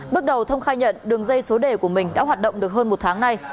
bước đầu thông khai nhận đường dây số đề của mình đã hoạt động được hơn một tháng nay